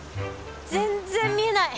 全然見えない。